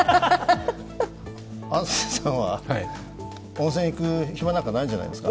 安住さんは温泉行く暇なんかないんじゃないですか？